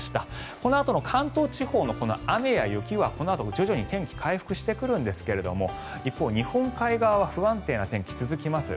このあとの関東地方の雨や雪は徐々に天気が回復してくるんですが一方、日本海側は不安定な天気が続きます。